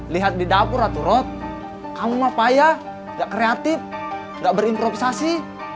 lihat di dapur tuh rod kamu apa ya gak kreatif gak berimprovisasi